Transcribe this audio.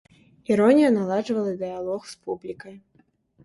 Іронія наладжвала дыялог з публікай.